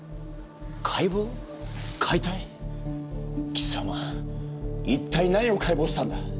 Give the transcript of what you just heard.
貴様一体何を解剖したんだ？